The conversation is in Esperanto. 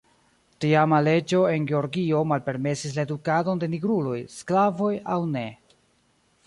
Tiama leĝo en Georgio malpermesis la edukadon de nigruloj, sklavoj aŭ ne.